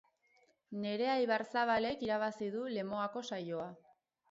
Nerea Ibarzabalek irabazi du Lemoako saioa